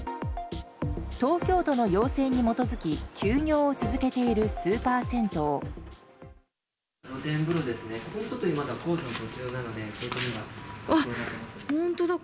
東京都の要請に基づき休業を続けているスーパー銭湯。